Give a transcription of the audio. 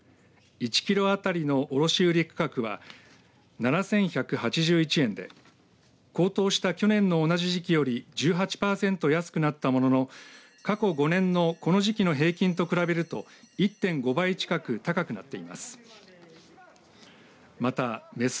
１キロ当たりの卸売価格は７１８１円で高騰した去年の同じ時期より１８パーセント安くなったものの過去５年のこの時期の平均と比べると１．５倍近く高くなっています。